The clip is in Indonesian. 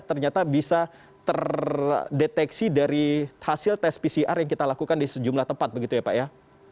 ternyata bisa terdeteksi dari hasil tes pcr yang kita lakukan di sejumlah tempat begitu ya pak ya